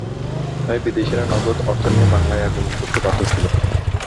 তাই বিদেশিরা নগদ অর্থ নিয়ে বাংলায় আগমন করতে বাধ্য ছিল।